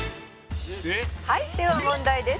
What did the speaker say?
「はいでは問題です」